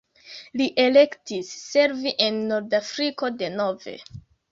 Li elektis servi en Nordafriko denove.